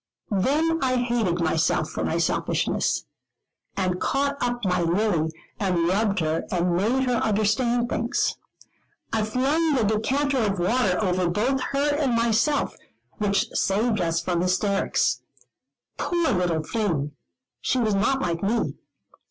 Then I hated myself for my selfishness, and caught up my Lily and rubbed her, and made her understand things. I flung a decanter of water over both her and myself, which saved us from hysterics. Poor little thing! She was not like me.